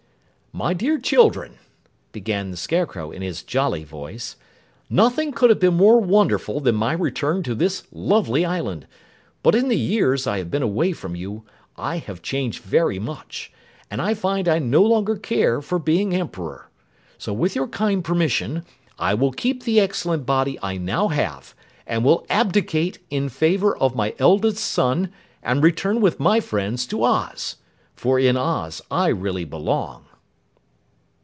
"My dear children," began the Scarecrow in his jolly voice, "nothing could have been more wonderful than my return to this lovely island, but in the years I have been away from you I have changed very much, and I find I no longer care for being Emperor. So with your kind permission, I will keep the excellent body I now have and will abdicate in favor of my eldest son and return with my friends to Oz. For in Oz I really belong."